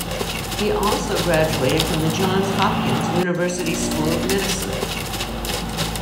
He also graduated from the Johns Hopkins University School of Medicine.